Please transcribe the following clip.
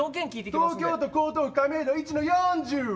東京都江東区亀戸１−４０。